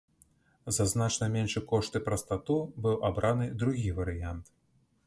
За значна меншы кошт і прастату быў абраны другі варыянт.